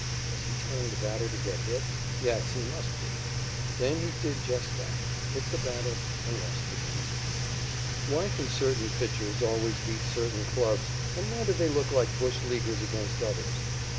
Was he telling the batter to get hit? Yes, he must be. Then he did just that hit the batter, and lost the game. Why can certain pitchers always beat certain clubs and why do they look like bush leaguers against others?